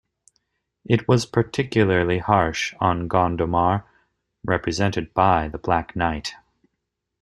It was particularly harsh on Gondomar, represented by the Black Knight.